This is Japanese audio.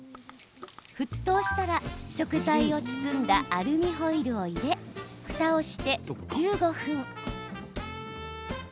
沸騰したら食材を包んだアルミホイルを入れふたをして１５分。